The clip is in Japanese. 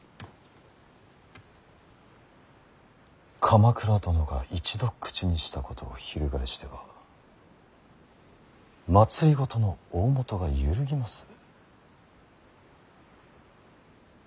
鎌倉殿が一度口にしたことを翻しては政の大本が揺るぎます。